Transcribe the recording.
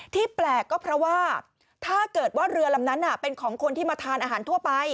แปลกก็เพราะว่าถ้าเกิดว่าเรือลำนั้นเป็นของคนที่มาทานอาหารทั่วไป